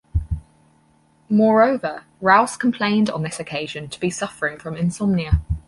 Moreover, Rouse complained on this occasion to be suffering from insomnia.